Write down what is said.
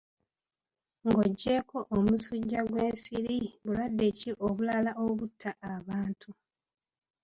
Ng'oggyeko omusujja gw'ensiri, bulwadde ki obulala obutta abantu?